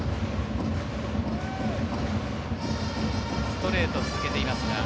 ストレートを続けています。